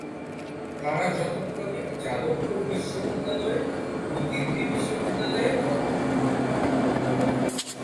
তারা যথাক্রমে যাদবপুর বিশ্ববিদ্যালয়ের ও দিল্লি বিশ্ববিদ্যালয়ের অধ্যাপক।